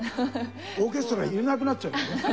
オーケストラにいれなくなっちゃうよね。